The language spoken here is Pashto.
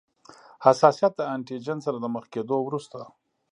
حساسیت د انټي جېن سره د مخ کیدو وروسته.